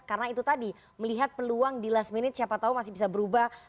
karena itu tadi melihat peluang di last minute siapa tahu masih bisa berubah